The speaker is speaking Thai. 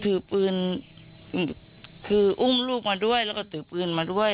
ถือปืนมาด้วยแล้วถือปืนมาด้วย